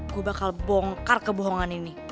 gue bakal bongkar kebohongan ini